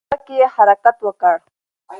په شپه کې يې حرکت وکړ.